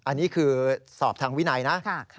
อันนี้คือสอบทางวินัยนะ